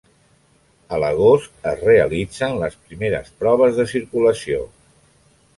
A l'agost es realitzen les primeres proves de circulació.